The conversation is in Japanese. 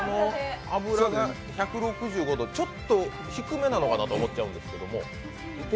油が１６５度ちょっと低めなのかなと思っちゃうんですけど。